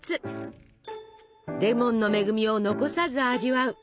レモンの恵みを残さず味わう！